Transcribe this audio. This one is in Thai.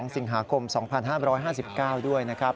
สิงหาคม๒๕๕๙ด้วยนะครับ